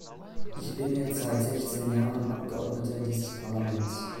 Ich bin jetzt seit sechzehn Jahren Abgeordnete dieses Parlaments.